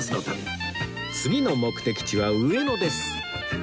次の目的地は上野です